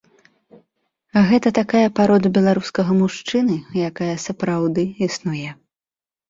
Гэта такая парода беларускага мужчыны, якая сапраўды існуе.